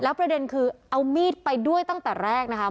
ประเด็นคือเอามีดไปด้วยตั้งแต่แรกนะคะ